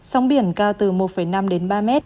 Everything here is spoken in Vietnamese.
sóng biển cao từ một năm đến ba mét